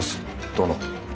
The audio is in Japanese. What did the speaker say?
殿。